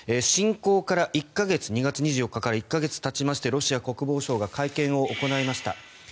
侵攻から１か月２月２４日から１か月たちましてロシア国防省が会見を行いました。